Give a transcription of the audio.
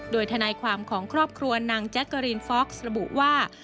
โดยทนายความของครอบครัวนางแจ๊กเกอรีนฟอกซ์ระบุว่า